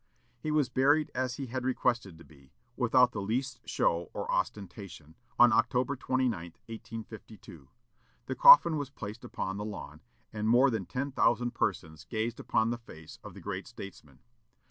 He was buried as he had requested to be, "without the least show or ostentation," on October 29, 1852. The coffin was placed upon the lawn, and more than ten thousand persons gazed upon the face of the great statesman.